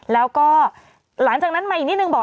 แล้วก็หลังจากนั้นมาอีกนิดนึงบอก